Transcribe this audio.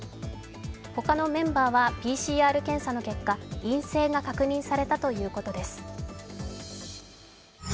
他のメンバーはＰＣＲ検査の結果、陰性が確認されたということです。